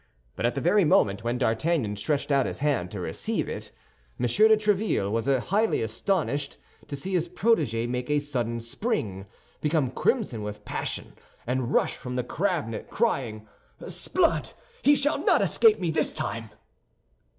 But at the very moment when D'Artagnan stretched out his hand to receive it, M. de Tréville was highly astonished to see his protégé make a sudden spring, become crimson with passion, and rush from the cabinet crying, "S'blood, he shall not escape me this time!"